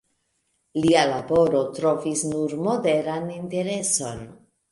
Lia laboro trovis nur moderan intereson.